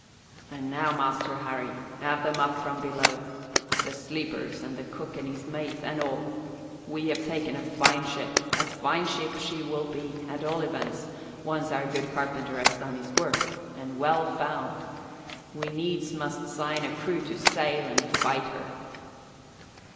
"And now, Master Harry, have them up from below the sleepers, and the cook and his mate, and all! We have taken a fine ship a fine ship she will be, at all events, once our good carpenter has done his work and well found. We needs must sign a crew to sail and fight her."